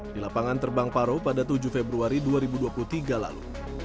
di lapangan terbang paro pada tujuh februari dua ribu dua puluh tiga lalu